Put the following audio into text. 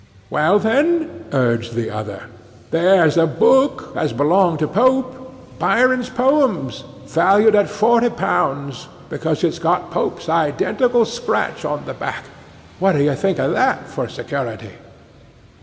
'Well, then,' urged the other, 'there's a book as belonged to Pope, Byron's Poems, valued at forty pounds, because it's got Pope's identical scratch on the back; what do you think of that for security?